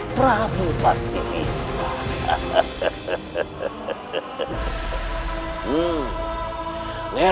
prabu pasti bisa